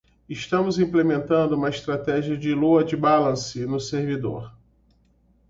Estamos implementando uma estratégia de load balancing no servidor.